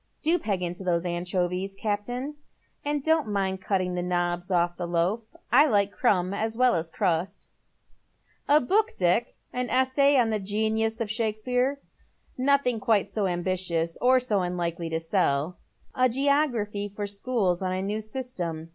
Do peg into those anchovies, captain, and don't mind cutting the knobs off the loaf. I like crumb as well a« crust." " A book, Dick. An essay on the genius of Shakespeare 1 "" Nothing so ambitious, or so unlikely to sell. A geography for schools, on a new system.